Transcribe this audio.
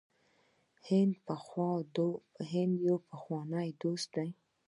هند یو پخوانی دوست دی.